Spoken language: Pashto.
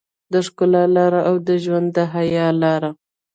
د ښکلا لاره او د ژوند د حيا لاره.